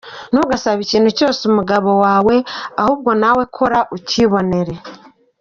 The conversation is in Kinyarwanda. Ntugasabe ikintu cyose umugabo wawe ahubwo nawe kora ukibonere.